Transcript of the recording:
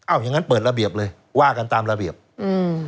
เอาอย่างงั้นเปิดระเบียบเลยว่ากันตามระเบียบอืม